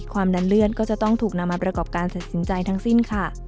ดันเลื่อนก็จะต้องถูกนำมาประกอบการตัดสินใจทั้งสิ้นค่ะ